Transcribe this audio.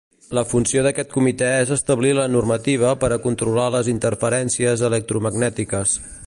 La funció d'aquest comitè és establir la normativa per a controlar les interferències electromagnètiques.